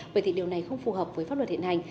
vậy thì điều này không phù hợp với pháp luật hiện hành